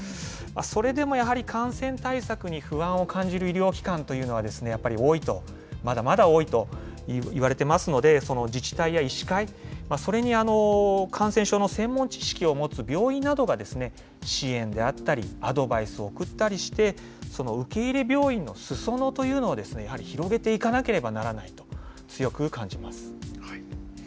それでもやはり感染対策に不安を感じる医療機関というのは、やっぱり多いと、まだまだ多いと言われてますので、その自治体や医師会、それに感染症の専門知識を持つ病院などが支援であったり、アドバイスを送ったりして、その受け入れ病院のすそ野というのを、やはり広げていかなければならないと強く感じます。